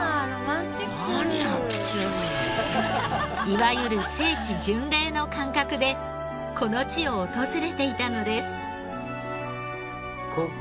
いわゆる聖地巡礼の感覚でこの地を訪れていたのです。